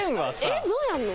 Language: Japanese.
えっどうやるの？